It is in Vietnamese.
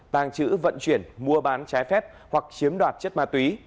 tàng trữ vận chuyển mua bán trái phép hoặc chiếm đoạt chất ma túy